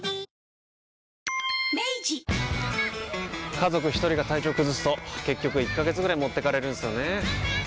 家族一人が体調崩すと結局１ヶ月ぐらい持ってかれるんすよねー。